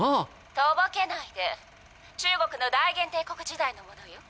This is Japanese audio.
とぼけないで中国の大元帝国時代のものよ。